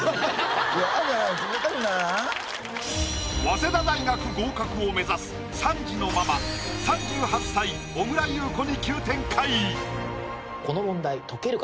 早稲田大学合格を目指す３児のママ３８歳小倉優子に急展開！